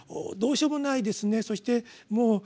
どうしようもないですね。